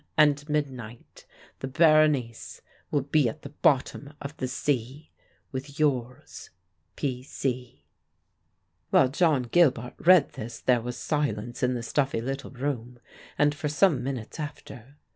and midnight the_ Berenice will be at the bottom of the sea with "Yours, P. C." While John Gilbart read this there was silence in the stuffy little room, and for some minutes after.